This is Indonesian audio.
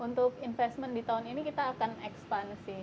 untuk investment di tahun ini kita akan ekspansi